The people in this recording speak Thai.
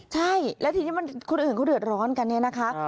ใช่แล้วทีนี้คนอื่นเขาเดือดร้อนกันเนี่ยนะคะ